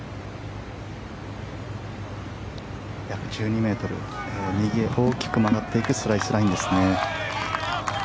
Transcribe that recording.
約１２ｍ右へ大きく曲がっていくスライスラインですね。